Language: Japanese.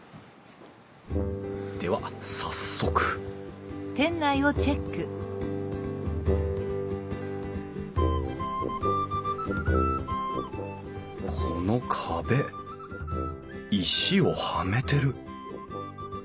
では早速この壁石をはめてる。